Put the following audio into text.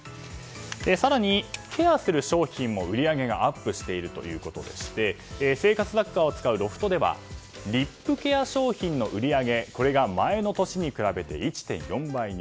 更に、ケアする商品も売り上げがアップしているということでして生活雑貨を扱うロフトではリップケア商品の売り上げが前の年に比べて１．４倍に。